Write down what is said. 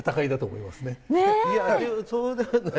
いやそうではない。